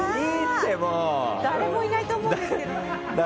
誰もいないと思うんですけどね。